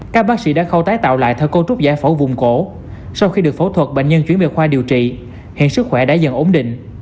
các bác sĩ đã khâu tái tạo lại theo cấu trúc giải phẫu vùng cổ sau khi được phẫu thuật bệnh nhân chuyển về khoa điều trị hiện sức khỏe đã dần ổn định